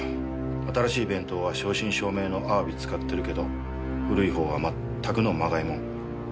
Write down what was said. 新しい弁当は正真正銘のあわび使ってるけど古い方は全くのまがいもん。